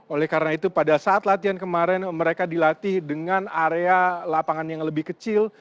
oleh karena itu pada saat latihan kemarin mereka dilatih dengan area lapangan yang lebih kecil